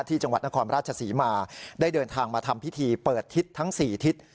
จังหวัดนครราชศรีมาได้เดินทางมาทำพิธีเปิดทิศทั้ง๔ทิศ